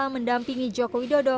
yang telah mendampingi joko widodo